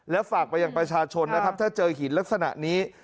และฝากไปอย่างประชาชนถ้าเจอหินลักษณะนี้